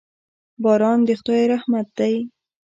باران د خدای رحمت دی.